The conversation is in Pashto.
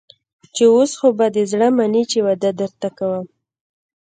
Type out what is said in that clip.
چې اوس خو به دې زړه مني چې واده درته کوم.